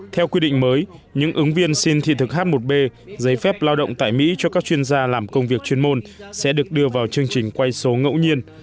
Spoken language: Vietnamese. theo quy định mới những ứng viên xin thị thực h một b giấy phép lao động tại mỹ cho các chuyên gia làm công việc chuyên môn sẽ được đưa vào chương trình quay số ngẫu nhiên